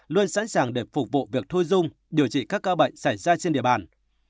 luôn sẵn sàng để phục vụ việc thôi dung điều trị các ca bệnh xảy ra trên địa bàn